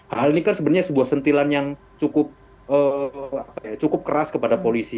hal ini kan sebenarnya sebuah sentilan yang cukup keras kepada polisi